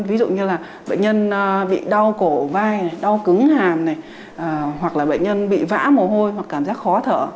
ví dụ như là bệnh nhân bị đau cổ vai này đau cứng hàm này hoặc là bệnh nhân bị vã mồ hôi hoặc cảm giác khó thở